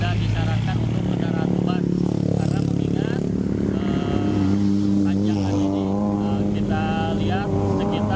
karena mengingat panjangan ini kita lihat sekitar tujuh puluh delapan puluh derajat kemiringannya